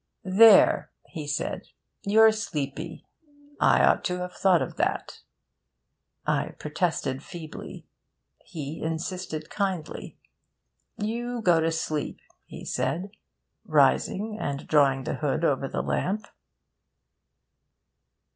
'There!' he said, 'you're sleepy. I ought to have thought of that.' I protested feebly. He insisted kindly. 'You go to sleep,' he said, rising and drawing the hood over the lamp.